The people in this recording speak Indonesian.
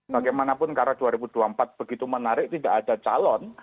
bagaimanapun karena dua ribu dua puluh empat begitu menarik tidak ada calon